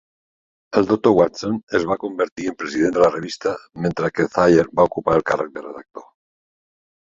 El doctor Watson es va convertir en president de la revista mentre que Thayer va ocupar el càrrec de redactor.